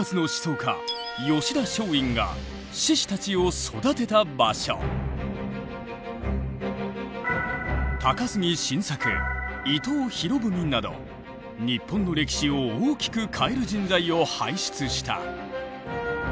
吉田松陰が志士たちを育てた場所。など日本の歴史を大きく変える人材を輩出した。